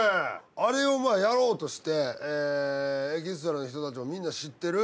あれをやろうとしてエキストラの人たちもみんな知ってる。